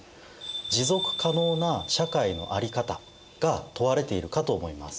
持続可能な社会のあり方が問われているかと思います。